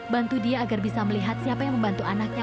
bantu dia agar bisa melihat siapa yang membantu anaknya